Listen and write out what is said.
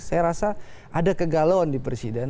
saya rasa ada kegalauan di presiden